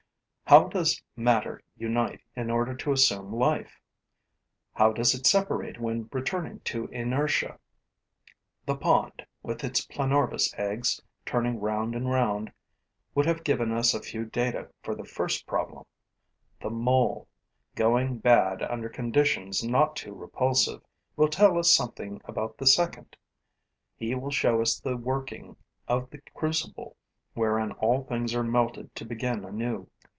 How does matter unite in order to assume life? How does it separate when returning to inertia? The pond, with its Planorbis eggs turning round and round, would have given us a few data for the first problem; the Mole, going bad under conditions not too repulsive, will tell us something about the second: he will show us the working of the crucible wherein all things are melted to begin anew.